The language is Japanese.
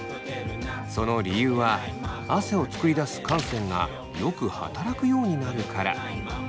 その理由は汗を作り出す汗腺がよく働くようになるから。